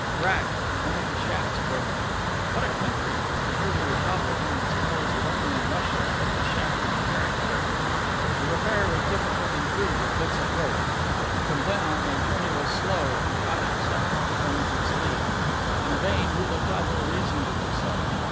Crack! One of the shafts broken. "What a country!" To hear Rouletabille one would suppose that only in Russia could the shaft of a carriage break. The repair was difficult and crude, with bits of rope. And from then on the journey was slow and cautious after the frenzied speed. In vain Rouletabille reasoned with himself.